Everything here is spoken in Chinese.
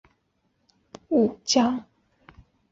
小笠原信兴是日本战国时代至安土桃山时代的武将。